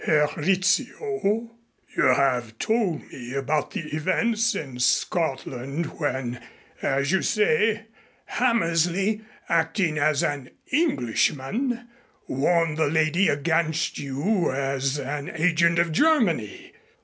"Herr Rizzio, you have told me about the events in Scotland when, as you say, Hammersley, acting as an Englishman, warned the lady against you as an agent of Germany.